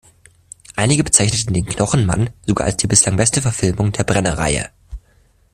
Einige bezeichneten den "Knochenmann" sogar als die bislang beste Verfilmung der Brenner-Reihe.